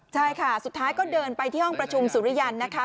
ใช่ค่ะสุดท้ายก็เดินไปที่ห้องประชุมสุริยันทร์นะคะ